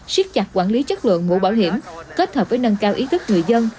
siết chặt quản lý chất lượng mũ bảo hiểm kết hợp với nâng cao ý thức người dân